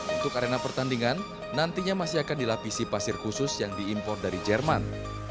untuk arena pertandingan nantinya masih akan dilapisi pasir khusus yang diimpor dari jerman